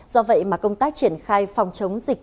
do vậy mà công tác triển khai phòng chống dịch